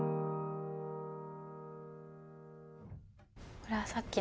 これはさっきの？